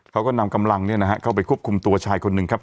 เขาก็นำกำลังเนี่ยนะฮะเข้าไปควบคุมตัวชายคนหนึ่งครับ